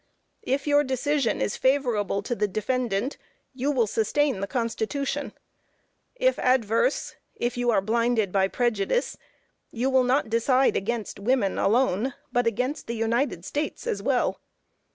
If your decision is favorable to the defendant, you will sustain the constitution; if adverse, if you are blinded by prejudice; you will not decide against women alone, but against the United States as well.